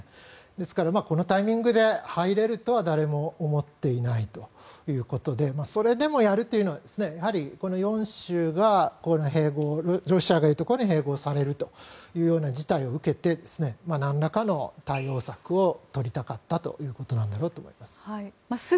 ですからこのタイミングで入れるとは誰も思っていないということでそれでもやるというのは４州がロシアの言うところの併合されるというような事態を受けてなんらかの対応策を取りたかったということなんだろうと思います。